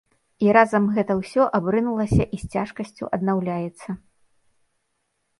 І разам гэта ўсё абрынулася і з цяжкасцю аднаўляецца.